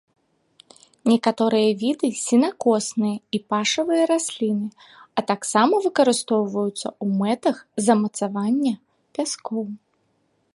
Некаторыя віды сенакосныя і пашавыя расліны, а таксама выкарыстоўваюцца ў мэтах замацавання пяскоў.